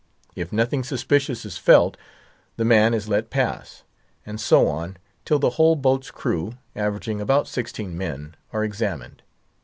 If nothing suspicious is felt, the man is let pass; and so on, till the whole boat's crew, averaging about sixteen men, are examined.